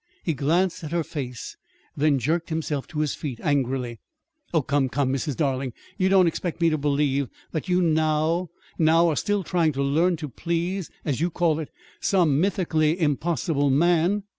He glanced at her face, then jerked himself to his feet angrily. "Oh, come, come, Mrs. Darling, you don't expect me to believe that you now, now are still trying to learn to please (as you call it) some mythically impossible man!"